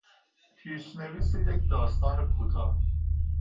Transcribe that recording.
پیشنویس یک داستان کوتاه